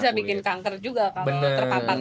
bisa bikin kanker juga kalau terpapar